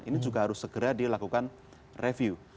ini juga harus segera dilakukan review